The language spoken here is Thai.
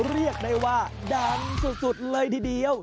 เรียกได้ว่าดังสุดเลยทีเดียว